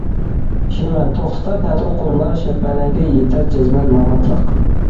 ئىشىنىمەن، توختار تەتۈر قۇيۇنلار، شەپەرەڭگە يېتەر جەزمەن ماماتلىق.